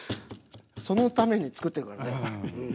そのために作ってるからね。